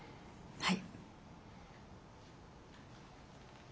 はい。